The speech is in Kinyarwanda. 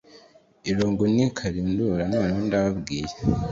irungu ni karundura noneho ndababwiye